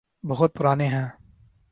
بہت پرانے ہیں۔